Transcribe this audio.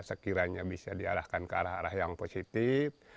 sekiranya bisa diarahkan ke arah arah yang positif